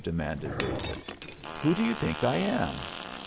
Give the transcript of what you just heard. demanded David. "Who do you think I am?"